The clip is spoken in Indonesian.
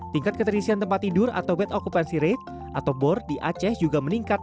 tingkat keterisian tempat tidur atau bed occupancy rate atau bor di aceh juga meningkat